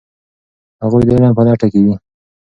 هغوی د علم په لټه کې دي.